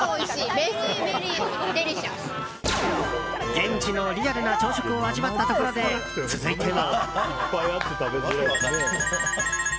現地のリアルな朝食を味わったところで、続いては。